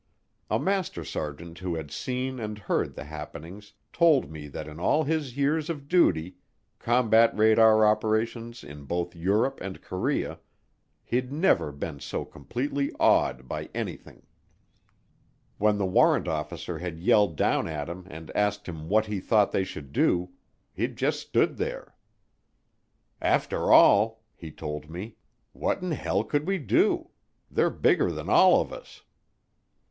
A master sergeant who had seen and heard the happenings told me that in all his years of duty combat radar operations in both Europe and Korea he'd never been so completely awed by anything. When the warrant officer had yelled down at him and asked him what he thought they should do, he'd just stood there. "After all," he told me, "what in hell could we do they're bigger than all of us."